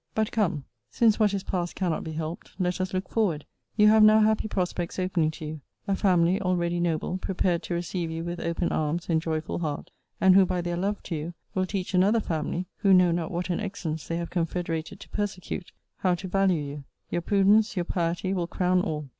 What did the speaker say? But come, since what is past cannot be helped, let us look forward. You have now happy prospects opening to you: a family, already noble, prepared to receive you with open arms and joyful heart; and who, by their love to you, will teach another family (who know not what an excellence they have confederated to persecute) how to value you. Your prudence, your piety, will crown all.